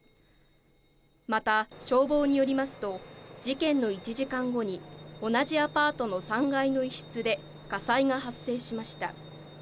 また消防によりますと、事件の１時間後に同じアパートの３階の一室で火災が発生しました。